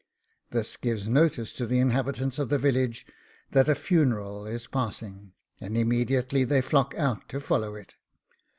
This gives notice to the inhabitants of the village that a FUNERAL IS PASSING and immediately they flock out to follow it.